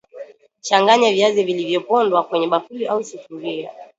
Changanya viazi vilivyopondwa kwenye bakuli au sufuria